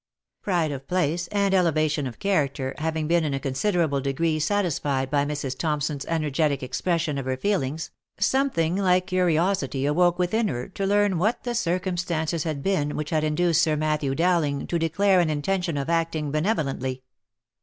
Pride of place, and elevation of character, having been in a con siderable degree satisfied by Mrs. Thompson's energetic expression of her feelings, something like curiosity awoke within her to learn what the circumstances had been which had induced Sir Matthew Dowling to declare an intention of acting benevolently.